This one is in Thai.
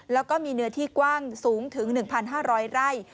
แล้วก็มีเนื้อที่กว้างสูงถึง๑๕๐๐ไร่